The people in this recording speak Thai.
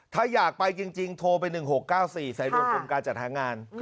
ถ้าอยากไปจริงโทรไป๑๖๙๔สายรวมกรมการจัดหางาน